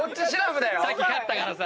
さっき勝ったからさ。